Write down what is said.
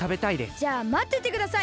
じゃあまっててください！